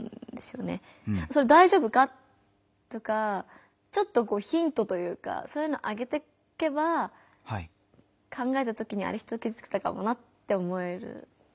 「それ大丈夫か？」とかちょっとヒントというかそういうのをあげていけば考えた時に「人をきずつけたかも」って思えると思うから。